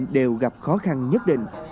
đều gặp khó khăn nhất định